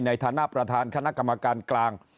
ในฐานะประธานคณะกรรมการกลาง